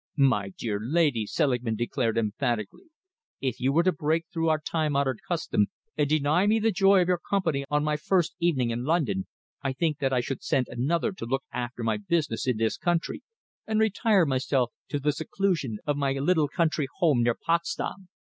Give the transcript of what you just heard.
"My dear lady," Selingman declared emphatically, "if you were to break through our time honoured custom and deny me the joy of your company on my first evening in London, I think that I should send another to look after my business in this country, and retire myself to the seclusion of my little country home near Potsdam.